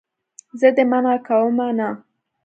زه دې منع کومه نه.